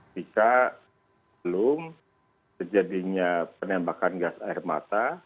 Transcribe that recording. jika belum terjadinya penembakan gas air mata